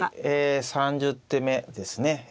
３０手目ですね。